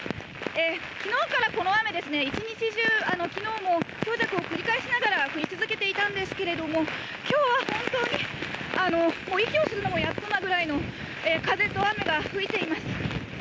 きのうからこの雨、一日中、きのうも強弱を繰り返しながら降り続けていたんですけれども、きょうは本当に、息をするのもやっとなぐらいの風と雨が吹いています。